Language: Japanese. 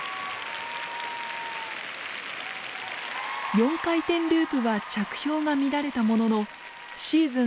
４回転ループは着氷が乱れたもののシーズン